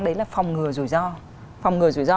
đấy là phòng ngừa rủi ro